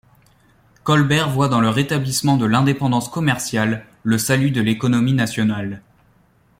Colbert voit dans le rétablissement de l’indépendance commerciale le salut de l’économie nationale.